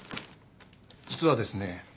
実はですね